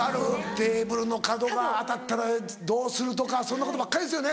テーブルの角が当たったらどうするとかそんなことばっかりですよね